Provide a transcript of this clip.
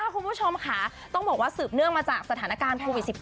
คุณผู้ชมค่ะต้องบอกว่าสืบเนื่องมาจากสถานการณ์โควิด๑๙